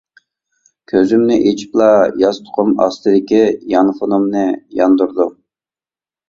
كۆزۈمنى ئېچىپلا ياستۇقۇم ئاستىدىكى يانفونۇمنى ياندۇردۇم.